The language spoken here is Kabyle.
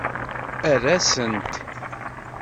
Err-asent.